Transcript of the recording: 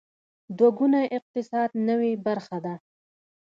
دوه ګونی اقتصاد نوې خبره ده.